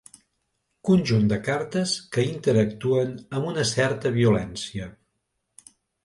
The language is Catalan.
Conjunt de cartes que interactuen amb una certa violència.